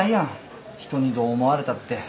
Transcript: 人にどう思われたって。